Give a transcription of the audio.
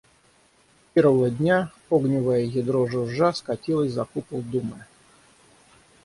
Первого дня огневое ядро жужжа скатилось за купол Думы.